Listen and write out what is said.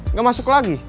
nggak masuk lagi